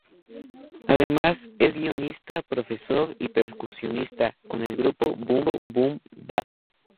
Además, es guionista, profesor y percusionista con el grupo Boom-Band.